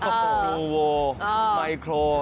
อูโวไมโคร